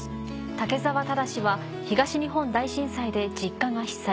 武澤忠は東日本大震災で実家が被災。